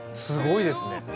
すごいですね。